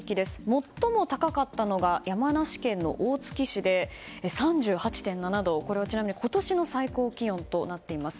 最も高かったのが山梨県大月市で３８．７度、これは今年の最高気温となっています。